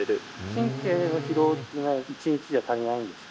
神経の疲労ってなると、１日じゃ足りないんですか？